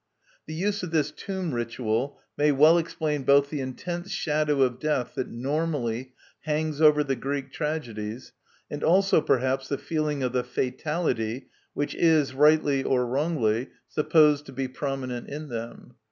The use of this Tomb Ritual may well explain both the intense shadow of death that normally hangs over the Greek tragedies, and also perhaps the feeling of the Fatality, which is, rightly or wrongly, supposed to be prominent in them.